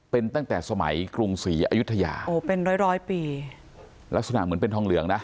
เป็นตั้งแต่สมัยกรุงศรีอยุธยาโอ้เป็นร้อยร้อยปีลักษณะเหมือนเป็นทองเหลืองนะ